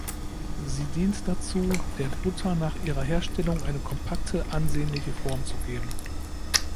Sie dient dazu, der Butter nach ihrer Herstellung eine kompakte, ansehnliche Form zu geben.